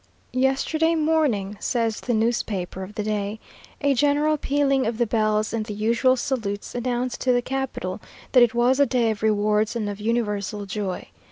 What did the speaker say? "Yesterday morning," says the newspaper of the day, "a general pealing of the bells and the usual salutes announced to the capital that it was a day of rewards and of universal joy.